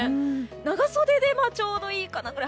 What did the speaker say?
長袖でちょうどいいかなぐらい。